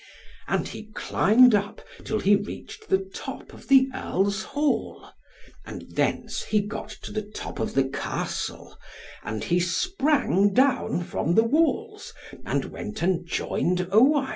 And he climbed up, till he reached the top of the Earl's Hall; and thence he got to the top of the Castle, and he sprang down from the walls, and went and joined Owain.